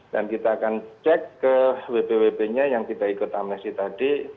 dan kita akan cek ke wbwb nya yang tidak ikut amnesti tadi